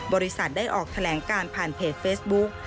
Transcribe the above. บริษัทได้ออกแถลงการผ่านเพจเฟซบุ๊ก